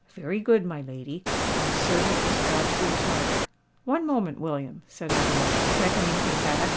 "Very good, my lady;"—and the servant was about to retire. "One moment, William," said Adeline, beckoning him back.